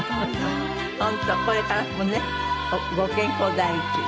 本当これからもねご健康第一に。